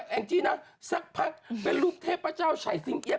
แองจี้นะสักพักเป็นรูปเทพเจ้าฉ่ายซิงเอี๊ย